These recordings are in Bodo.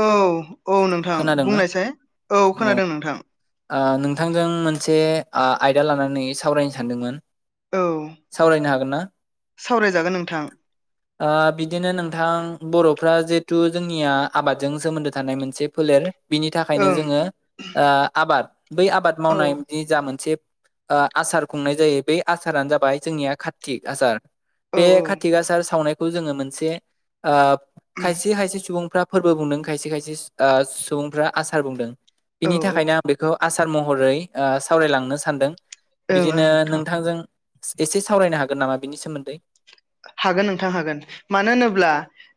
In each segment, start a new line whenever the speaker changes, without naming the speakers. औ औ नोंथां
खोनादोंना
बुंनायसाय औ
अ
खोनादों नोंथां
ओ नोंथांजों मोनसे आ आयदा लानानै सावरायनो सानदोंमोन
औ
सावरायनो हागोन ना?
सावरायजागोन नोंथां
बिथां बर'फ्रा जिहेथु जोंनिया आबादजों सोमोन्दो थानाय मोनसे फोलेर बिनि थाखायनो
ओं
जोङो आबाद बै आबाद
औ
मावनायनि जा मोनसे आसार खुंनाय जायो बे आसारानो जाबाय जोंनिया कार्तिक आसार
औ
बे कतिक आसार सावनायखौ जोङो मोनसे ओ खायसे खायसे सुबुंफ्रा फोरबो बुंदों खायसे खायसे सुबुंफ्रा आसार बुंदों
औ
बिनि
ओं
थाखायनो खौ आसार महरै सावरायलांनो सानदों
ओं
बिदिनो
नोंथां
नोंथांजों एसे सावरायनो हागोन नामा बिनि सोमोन्दै
हागोन नोंथां हागोन मानो होनोब्ला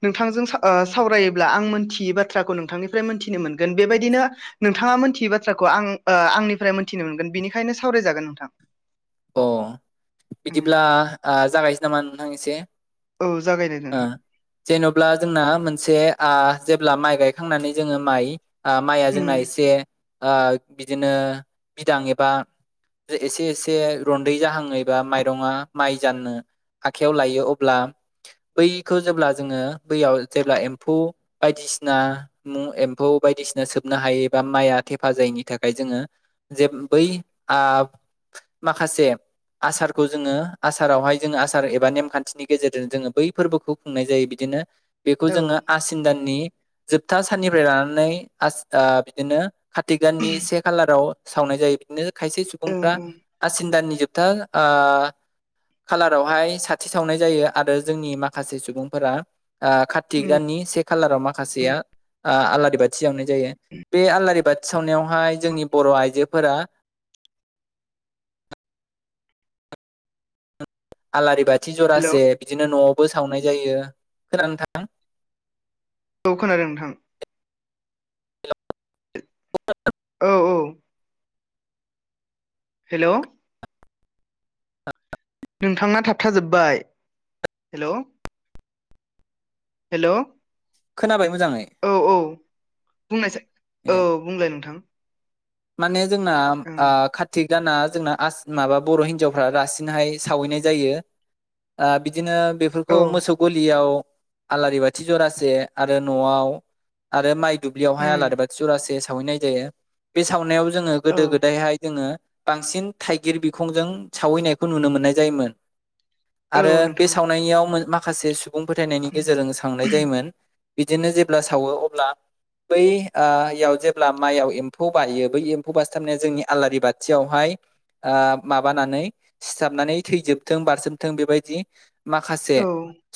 नोंथांजों सावरायोब्ला आं मोनथियै बाथ्रा मोननो मोन बेबायदिनो नोंथाङा मोनै बाथ्राखौ आनि मोनथिनो बेनिखायनो सावरायजागोन नोंथां
अ
उम
बिदिब्ला जागायसै नामा नोंथां एसे
औ जागायदो नोंथां
जेन'ब्ला जोंना मोनसे जेब्ला माइ गायखांनानै जोङो माइ माइआ
उम
जोंना एसे ओ बिदिनो बिदां एबा एसे एसे ए रन्दै जाहांयैबा माइरंआ माइ जाननो आखाइयाव लायो अब्ला बै इ खो जेब्ला दैआव जोङो बयाव जेम्फौ बायदिसिना मु एम्फौ बायदिसिना सोबनो हायो एबा माइआ थेफा जायैनि थाखाय जोङो जे बै माखासे आसारखौ जोङो आसारावहाय जोङो आसार एबा नेमखान्थिनि गेजेरजों जोङो बै फोरबोखौ खुंनाय जायो बिदिनो नो बेखौ
औ
जोङो आसिन दाननि जोबथा साननिफ्राय लानानै आसि बिदिनो खाति गाननि से खालाराव सावनाय जायो बिदिनो खायसे
ओं
सुबुंफ्रा
ओं
आसिन दानि जोबथा ओ कालारावहाय साथि सावनाय जायो आरो जोंनि माखासे सुबुंफोरा ओ कतिक दाननि से खालाराव माखासेया आलारि बाथि सावनो जायो बे आलारि बाथि सावनायावहाय जोंनि बर आइजोफोरा आलारि बाथि
हेलौ
जरासे बिदिनो नआव बो सावनाय जायो खोनानोंथां।
औ खोनादों नोंथां। औ
[unintelligible]
औ हेलौ नोंथांना थाबथाजोबबाय हेलौ। हेल
खोनाबाय। मोजाङै
औ औ
ए
बुंनायसाय औ बुंलाय नोंथां।
माने जोंना
ओं
आं कातिक दाना जोंना आस माबा बर हिनजावफ्रा रासिनहाय सावैनाय जायो। आ बिदिनो बेफोरखौ
औ
मोसौ गलियाव आलारि बाथि जरासे आरो नआव आरो माइ दुब्लियावहाय
उम
आलारि बाथि जरासे सावैनाय जायो बे सावनायाव जोङो
औ
गोदो गोदायहाय जोङो बांसिन थाइगिर बिखंजों सावैनायखौ नुनो मोननाय जायोमोन।
औ
आरो बे
नोंथां औ
सावनायाव मो माखासे सुबुं फोथायनायनि गेजेरजों सावनाय जायोमोन। बिदिनो जेब्ला सावो अब्ला बै आ याव जेब्ला माइयाव म्फौ बायो बै एम्फौ बासथाबनाया जोंनि आलारि बाथियावहाय आ माबानानै सिथाबनानै थैजोबथों बारसोमथों बेबायदि माखासे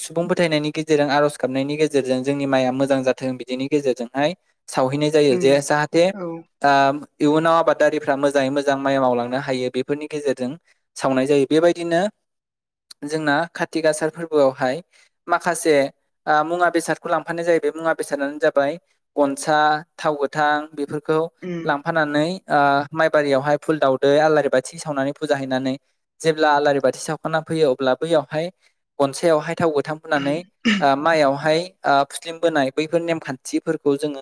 सुबुंफोद फोथायनायनि गेजेरजों आरज गाबनायनि गेजेरजों जोंनि माया मोजां जाथों बिदिनि गेजेरजोंहाय सावहैनाय जायो
उम
जे जाहाथे
औ उम
आ इयुनाव आबादारिफ्रा मोजाङै मोजां माइ मावलांनो हायो बेफोरनि गेजेरजों सावनाय जायो बेबाय दिनो। जोंना कातिक आसार फोरबोआवहाय माखासे ओ मुवा बेसादखौ लांफानाय जायो। बे मुवा बेसादानो जाबाय गनसा थाव गोथां बेफोरखौ लांफानानै ओ माइबारियावहाय फुल दावदै आलारि बाथि सावनानै फुजा हैनानै जेब्ला आलारि बाथि सावखाना फैयो अब्ला बैयावहाय गनसायावहाय थाव गोथां फुननानै माइयावहाय ओ फुस्लिम बोनाय बैफोर नेमखान्थिफोरखौ जोङो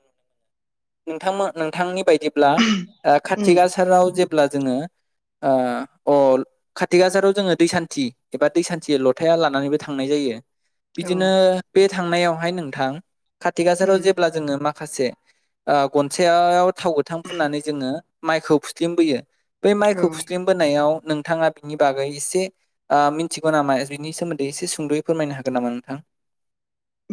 नोंथां मो नोंथांनि बायदिब्ला
उम
कातिक आसाराव जेब्ला जोङो ओ अल कतिक आसाराव जोङो दैसान्थि एबा दैसान्थि लथाया लानानैबो थांनाय जायो।
औ
बिदिनो बे थांनायावहाय नोंथां कथिक आसाराव
उम
जेब्ला जोङो माख खासे ओ गनसायायाव थाव गोथां फुननानै जोङो माइखौ फुस्लिम बोयो बै
औ
माइखौ फुस्लिमबोनायाव नोंथाङा बिनि बागै एसे ओ मिथिगौ नामा बिनि सोमोन्दै एसे सुंदयै फोरमायनो हागोन नामा नोंथां? [inaudible]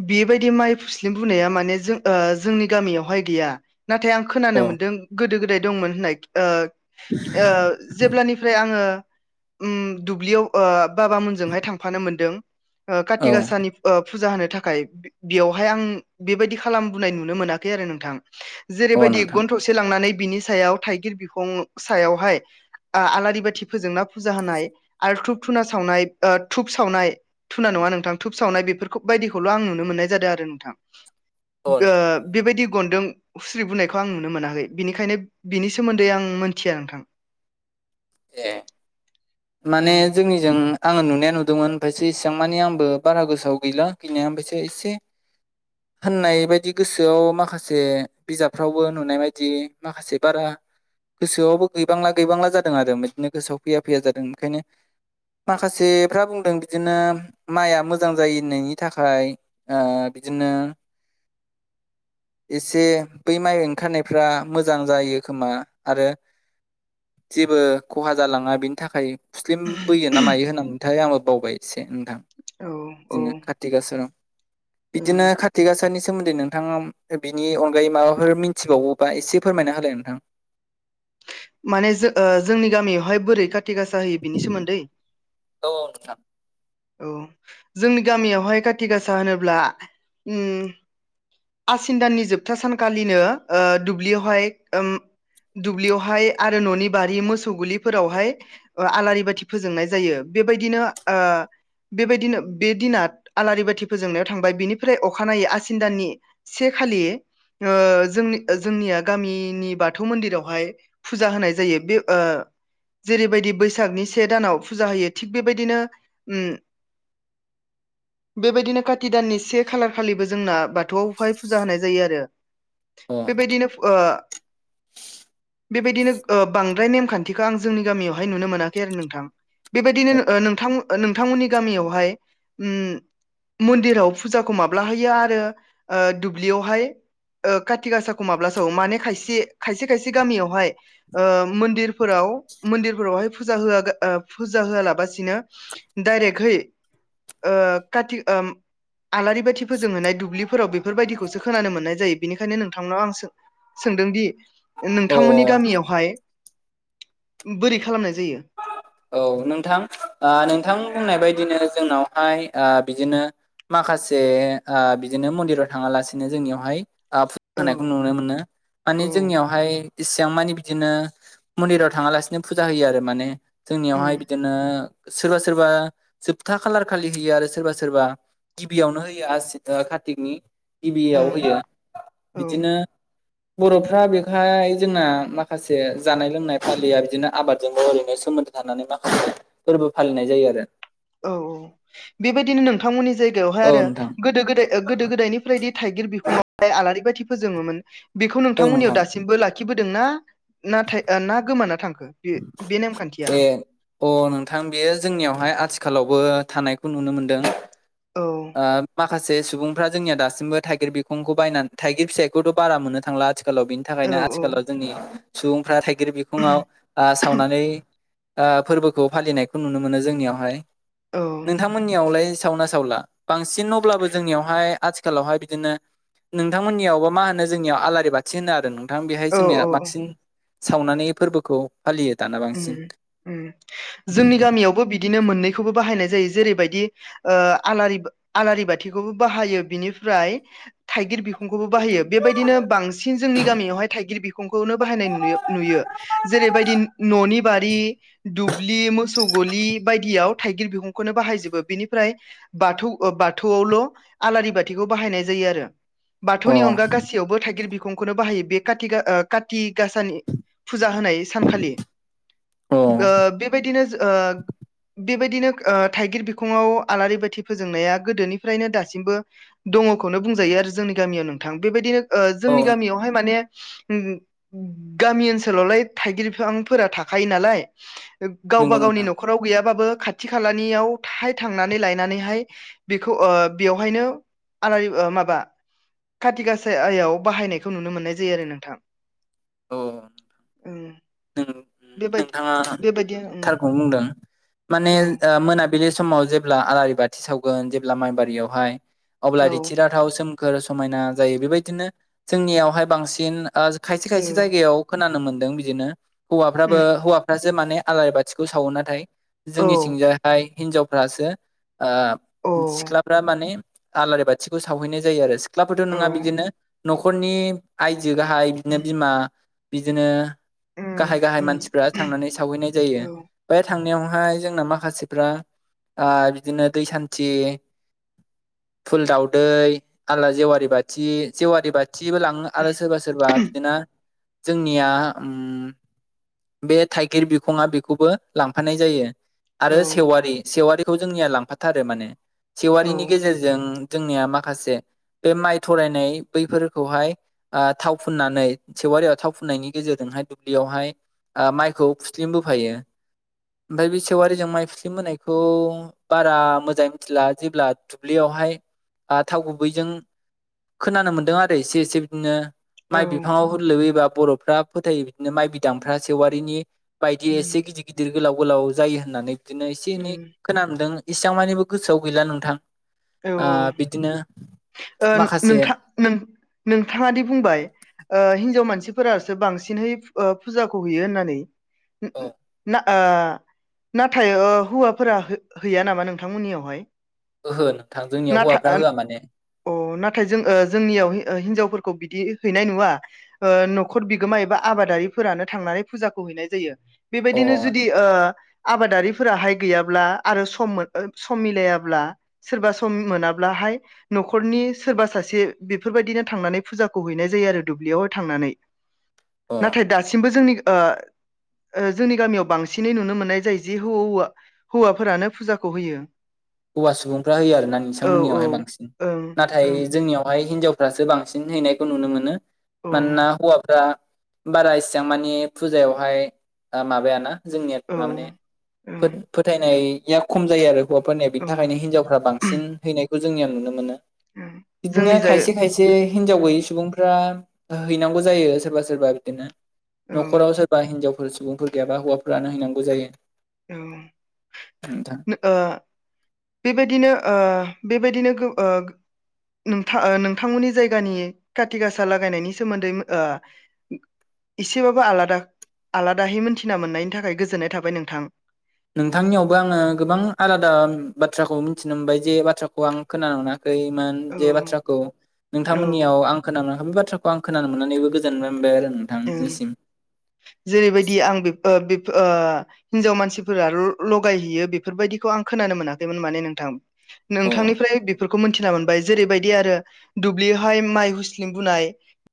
बेबायदि माइ फुस्लिम बोनाया माने जों जोंनि गामियावहाय गैया नाथाय आं खोनानो
अ
मोनदों गोदो गोदाय दंमोन होननाय ओ ओ जेब्लानिफ्राय आङो उम दुब्लियाव ओ बाबा मोनजोंहाय थांफानो मोन्दों।
औ
काथि गाासानि ओ फुजा होनो था खाय बेयावहाय आं बेबायदि खालामबोनाय नुनो मोनाखै आरो नोंथां।
अ
जेरैबायदि
नोंथां
गन थसे लांनानै बिनि सायाव थाइगिर बिखं सायावहाय आ आलारि बाथि फोजोंना फुजा होनाय आरो धुप धुना सावनाय थुप सावनाय धुना न नङा नोंथां दुप सावनाय बेफोरखौ बायदिखौल आं नुनो मोननाय जादों आरो नोंथां
अ
ओ
नोंथां
बेबायदि गनदों हुस्रि बोनायखौ आं नुनो मोनाखै बिनिखायनो बिनि सोमोन्दै आं मोनथिया नोंथां
ए माने
उम
जोंनिजों आङो नुनाया नुदोंमोन ओमफायसो इसिबां मानि आंबो बारा गोसोआव गैला गैनाया ओमफायसो एसे होननाय बायदि गोसोआव माखासे बिजाबफ्रावबो नुनाय बायदि माखासे बारा गोसोआवबो गैबांला गैबांला जादों आरो बिदिनो गोसोआव फैया फैया जादों ओंखायनो माखासेफ्रा बुंदों बिदिनो माइआ मोजां जायो होननायनि थाखाय ओ बिदिनो एसे बै माइ ओंखारनायफ्रा मोजां जायो खोमा आरो जेबो खहा जालाङा बिनि थाखाय थुस्लिम बैयोना मायो होननामोनथाय आंबो बावबाय एसे नोंथां
औ औ
बिदिनो कारतिक गासा
ओं
बिदिनो कार्तिक गासानि सोमोन्दै नोंथाङा बिनि अनगायै माबाफोर मिथिबावोबा एसे फोरमायना होलाय नोंथां
माने जों ओ जोंनि गामियावहाय बोरै खाथ थि गासा होयो बिनि सोमोन्दै
औ
औ जोंनि गामियावहाय खाथि गासा होनोब्ला आसिन दाननि जोबथा सानखालिनो ओ दुब्लियावहाय ओम दुब्लियावहाय आरो न'नि बारि मोसौ गलिफोरावहाय आलारि बाथि फोजोंनाय जायो बेबायदिनो ओ बेबायदिनो बे दिना आलारि बाथि फोजोंनायाव थांबाय बिनिफ्राय अखानायै आसिन दाननि से खालि ओ जोंनि-जोंनिया गामिनि बाथौ मन्दिरावहाय फुजा होनाय जायो बे ओ जेरैबायदि बैसागनि से दानाव फुजा होयो थिग बेबायदिनो उम
[inaudible]
बेबायदिनो काति दाननि से खालार खालिबो जोंना बाथौआव फाय फुजा होनाय जायो आरो बेबायदिनो ओ बेबायदिनो ओ बांद्राय नेमखान्थिखौ आं जोंनि गामियावहाय नुनो मोनाखै आरो नोंथां बेबायदिनो ओ नोंथां ओ नोंथांमोननि गामियावहाय उम मन्दिराव फुजाखौ माब्ला होयो आरो ओ दुब्लियावहाय ओ कथि गासाखौ माब्ला सावो? माने खायसे खायसे खायसे गामियाव हाय ओ मन्दिरफोराव मन्दिरफोरावहाय फुजा होवागा फुजा होआलाबासिनो डाइरेक्टहै ओ काथि ओ आलारि बाथि फोजोंहोनाय दुब्लिफोराव बेफोरबायदिखौसो खोनानो मोननाय जायो बेनिखायनो नोंथांनाव आं सो सोंदोंदि नों
औ नोंथां अ
नोंथांमोननि गामियावहाय बोरै खालामनाय जायो
औ नोंथां ओ नोंथां बुंनाय बायदिनो जोंनावहाय ओ बिदिनो माखासे ओ बिदिनो मन्दिराव थाङालासिनो जोंनियावहाय ओ फुजा
औ
होनायखौ नुनो मोनो माने
औ
जोंनियावहाय एसे बांमानि बिदिनो मन्दिराव थाङालासिनो फुजा होयो आरो माने
उम
जोंनियावहाय बिदिनो सोरबा सोरबा जोबथा खालार खालि होयो आरो सोरबा सोरबा गिबियावनो होयो आसिन ओ का्तिकनि गिबियाव
ओं
होयो
औ
बिदिनो बर'फ्रा बेखाय जोंना माखासे जानाय लोंनाय फालियो बिदिनो आबादजोंबो ओरैनो सोमोन्दो थानानै माखासे फोरबो फालिनाय जायो आरो
औ औ बेबायदिनो नोंथांमोननि जायगायावहाय
औ
आरो
नोंथां
गोदो गोदाय गोदो गोदायनिफ्राय थाइगिर बिखंआवहाय आलारि बाथि फोजोङोमोन बेखौ
औ
नोंथांमोननियाव
नोंथां
दासिमबो लाखिबो दोंना नाथाय ना गोमाना थांखो? बे बे नेमखान्थिया
ए अ नोंथां बेयो जोंनियावहाय आथिं आथिखालावबो थानायखौ नुनो मोनदों
औ
माखासे सुबुंफ्रा जोंनिया दासिमबो थाइगिर बिखंखौ बायनानै थाइगिर फिथाइखौथ' बारा मोननो थांला आथि आथिखालाव बिनि थाखायनो
औ
आथिखालाव जोंनि सुबुंफ्रा थाइगिर बिखङाव सावनानै ओ फोरबोखौ फालिनायखौ नुनो मोनो जोंनियावहाय
औ
नोंथांमोननियावलाय सावो ना सावला बांसिन अब्लाबो जोंनियावहाय आथिखालावहाय बिदिनो नोंथांमोननियावब मा होनो जोंनियाव आलारि बाथि होनो आरो। नोंथां बेहाय
औ
जोंनिया
औ
बांसिन सावनानै फोरबोखौ फालियो दाना बांसिन
जोंनि गामियावबो बिदि बिदिनो मोननैखौबो बाहायनाय जायो जेरैबायदि आलारि आलारि बाथिखौबो बाहायो बिनि फ्राय थाइगिर बिखंखौबो बाहायो बेबायदिनो बांसिन जोंनि गामियावहाय थाइगिर बिखंखौनो बाहायनाय नुयो नुयो। जेरैबायदि दुब्लियाव मोसौ गलि बायदियाव थाइगिर बिुंखौनो बाहायजोबो बेनिफ्राय बाथौ ओ बाथौ आवल' आलारि बाथिखौ बाहायनाय जायो आरो
अ
बाथौनि अनगा गासैयावबो थाइगिर बिंखौनो बाहायो बे काथि-कार्थिग गाासानि फुजा होनाय सानखालि।
[inaudible]
ओ‌ बेबायदिनो ओ बेबायदिनो ओ थाइगिर बिखंङाव आलारि बाथि फोजोंनाया गोदोनिफ्रायनो दासिमबो दंङखौनो बुंजायो आरो जोंनि गामियाव नोंथां बेबायदिनो ओ
औ
जोंनि गामियावहाय माने गामि ओनसोलावलाय थाइगिरफां फोर थाखायो नालाय गावबा
नंगौ
गावनि
नोंथां
नखरआव गैयाबाबो खाथि खालानियाव थाय थांनानै लायनानैहाय बेखौ बेवहायनो आलारि माबा खाथि गाासायाव बाहायनायखौ नुनो मोननाय जायो आरो नोंथां। औ।
औ। नोंथाङा
उम
थारखौ बुंदों माने
औ
मोना बिलि समाव जेब्ला आलारि बाथि सावगोन जेब्ला माइबारियावहाय अब्ला
औ
रिथिराथाव सोम फोर समायना जायो बेबायदिनो जोंनियावहाय बांसिन ओ खायसे खायसे
औ
जायगायाव खोनानो मोन्दों बिदिनो हौवाफ्राबो
उम
हौवाफ्रासो माने आलारि बाथिखौ सावो नाथाय
औ
जोंनिथिंजायहाय हिनजावफ्रासो ओ
औ
सिख्लाफ्रा माने आलारि बाथिखौ सावहैनाय जायो आरो। सिख्लाफोरथ'
औ
नङा
उम
बिदिनो न'खरनि आयजो गाहाय बिदिनो बिमा बिदिनो
उम
गाहाय गाहाय
उम
मानसिफ्रा थांनानै सावहैनाय
औ
जायो बे थांनायावहाय जोंना माखासेफ्रा बिदिनो दै सान्थि फुल दाावदै आलारि जेवारि बाथि जेवारि बाथ खाथिबो लाङो आरो सोरबा सोरबा बिदिनो जोंनिया उम बे थाइगिर बिखंङा बेखौबो लांफानाय जायो
औ
आरो सेवारि सेवारि खौ जोंनिया लांफाथारो माने
औ
सेवारिनि गेजेरजों जोंनिया माखासे बे माइ थरायनाय बैफोरखौहाय थाव फुननानै सेेवारियाव थाव फुननायनि गेजेरजों दुब्लियावहाय माइखौ फुस्लिम बोफायो ओमफ्राय बे सेवारिजों माइ फि्लि होनायखौ बारा मोजाङै मिथिला जेब्ला दुब्लियाव बेहाय थाव गुबैजों खोनानो मोन्दों आरो एसे एसे बिदिनो
औ
माइ बिफांव होन लोबबोयोबा बर'फ्रा फोथायो बिदिनो माइ बिदांफ्रा सेवारिनि बायदि
उम
एसे गिदिर गिदिर गोलाव गोलाव जायो होननानै बिदिनो एसे एनै
उम
खोनदों इसेबां मानिबो गोसोआव गैला नोंथां
औ
बिदिनो
ओ
माखासे
नोंथां नों नोंथाङा दि बुंबाय हिनजाव मानसि मसिफोरासो बांसिनहै फुजाखौ हैयो होननानै
औ
आं नाथाय हौवाफोरा हैया नामा नोंथांमोननियावहाय?
ओहो नोंथां जोंनियाव
नाथा
हौवाफ्रा
ओ नाथा
होआ माने
अ नाथाय जों जोंनियाव हिनजाव खौ बिदि हैनाय नुवा न'खर बिगोमा एबा आबादारिफोरानो थांनानै फुजाखौ हैनाय जायो
अ
बेबायदिनो जुदि ओ आबादारिफोराहाय गैयाब्ला आरो सम मोन सम मिलायाब्ला सोरबा सम मोनाब्लाहाय न'खरनि सोरबा सासे बेफोरबायदिनो थांनानै फुजाखौ हैनाय जायो। दुब्लियावहाय थांनानै
अ
नाथाय दासिमबो जोंनि ओ जोंनि गामियाव बांसिनै नुनो मोननाय जायो जि हौवा हौवाफोरानो फुजाखौ होयो।
हौवा सुबुंफ्रा होयो आरो ना
औ
नोंसांमोननियावहाय बांसिन
ओं
नाथाय
ओं
जोंनियावहाय हिनजाव फ्रासो बांसिन हैनायखौ नुनो मोनो मानोना
औ
हौवाफ्रा बारा इसेबां मानि फुजायावहाय माबायाना जोंनिया
औ
मामने
ओं
फोथायनाया खम जायो आरो हौवाफोरनिया बेनि
औ
थाखायनो हिनजावफ्रा बांसिन हैनायखौ जोंनिया नुनो मोनो। बिदिनो
जोंनि जाय
खायसे खायसे हिनजाव गैयै सुबुंफ्रा हैनांगौ जायो सोरबा सोरबा बिदिनो
औ
न'खराव सोरबा हिनजाव फोर सुबुंफोर गैयाबा हौवाफोरानो हैनांगौ जायो।
औ
नोंथां
ओ बेबायदिनो ओ बेबायदिनो गो ओ नोंथां नोंथांमोननि जायगानि खाथि गासा लागायनायनि सोमोन्दै ओ एसेबाबो आलादा आलादाहै मोनथिना मोननायनि थाखाय गोजोननाय थाबाय नोंथां।
नोंथांनियावबो आङो गोबां आलादा बाथ्राखौ मिथिनो मोनबाय जे बाथ्राखौ आं खोनामोना खैमोन
औ
जे बाथ्राखौ
औ
नोंथांमोननियाव आं खोनानो मोनै बे बाथ्राखौ आं खोनानो मोननानैबो गोजोन
जेरैबायदि आं बेब ओ हिनजाव मानसिफोरा ल-लगायहैयो बेफोरबायदिखौ आं खोनानो मोनाखैमोन माने नोंथां
अ
नोंथांनिफ्राय बेफोरख खौ मिथिना मोनबाय जेरैबायदि आरो दुब्लियावहाय माइ हुस्लिम बुनाय